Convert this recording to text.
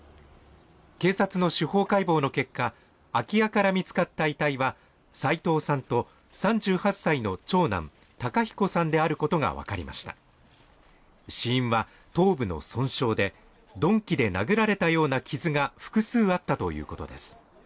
警察の司法解剖の結果空き家から見つかった遺体は齋藤さんと３８歳の長男孝彦さんであることが分かりました死因は頭部の損傷で鈍器で殴られたような傷が複数あったということです